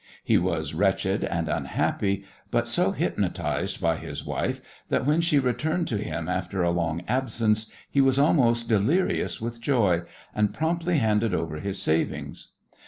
He was wretched and unhappy, but so hypnotized by his wife that when she returned to him after a long absence he was almost delirious with joy, and promptly handed over his savings.